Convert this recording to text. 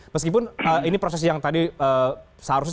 meskipun ini proses yang tadi seharusnya